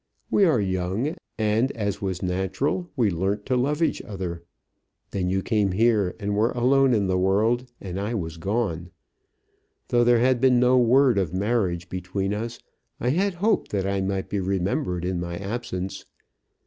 We are young, and, as was natural, we learnt to love each other. Then you came here and were alone in the world, and I was gone. Though there had been no word of marriage between us, I had hoped that I might be remembered in my absence.